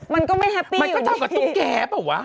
มันก็ไม่เฮปปี้อยู่ดีมันก็เจอกับตุ๊กแกร่เปล่าวะ